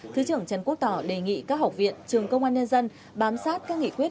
thứ trưởng trần quốc tỏ đề nghị các học viện trường công an nhân dân bám sát các nghị quyết